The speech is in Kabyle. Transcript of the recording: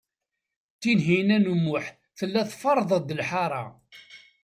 Tinhinan u Muḥ tella tferreḍ-d lḥaṛa.